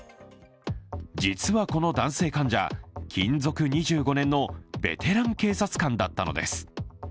実はこの男性患者、勤続２５年のベテラン警察官だったのです。